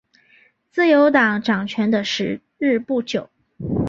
自由党掌权的时日不久。